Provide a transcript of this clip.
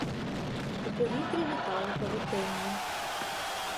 У повітрі літало павутиння.